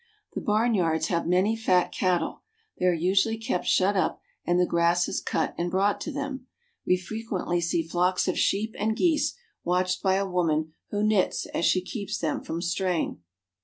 The barn yards have many fat cattle ; they are usually kept shut up and the grass is cut and brought to them. We fre quently see flocks of sheep and geese, watched by a woman, who knits as she keeps them from straying.